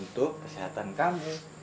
ada apa apa banyak